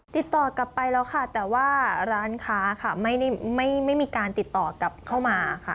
ติดต่อกลับไปแล้วค่ะแต่ว่าร้านค้าค่ะไม่มีการติดต่อกลับเข้ามาค่ะ